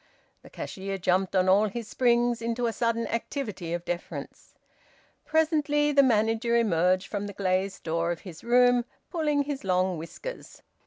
The cashier jumped on all his springs into a sudden activity of deference. Presently the manager emerged from the glazed door of his room, pulling his long whiskers.